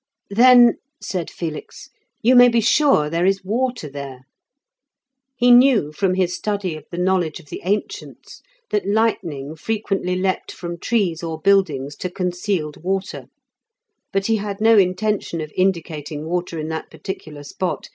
"Then," said Felix, "you may be sure there is water there!" He knew from his study of the knowledge of the ancients that lightning frequently leaped from trees or buildings to concealed water, but he had no intention of indicating water in that particular spot.